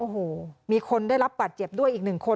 โอ้โหมีคนได้รับบัตรเจ็บด้วยอีกหนึ่งคน